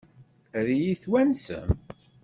Ad iyi-twansem?